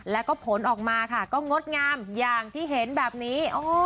แล้วก็ผลออกมาค่ะก็งดงามอย่างที่เห็นแบบนี้